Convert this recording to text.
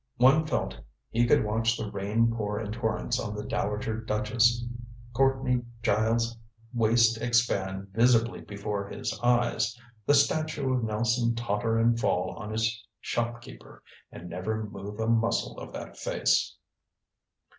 One felt he could watch the rain pour in torrents on the dowager duchess, Courtney Giles' waist expand visibly before his eyes, the statue of Nelson totter and fall on his shopkeeper, and never move a muscle of that face.